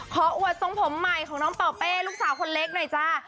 อวดทรงผมใหม่ของน้องเป่าเป้ลูกสาวคนเล็กหน่อยจ้า